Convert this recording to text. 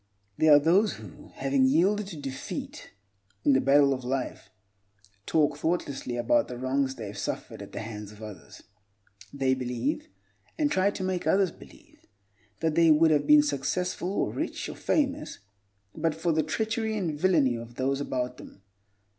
There are those who, having yielded to defeat in the battle of life, talk thoughtlessly about the wrongs they have suffered at the hands of others. They believe—and try to make others believe—that they would have been successful or rich or famous but for the treachery and villainy of those about them.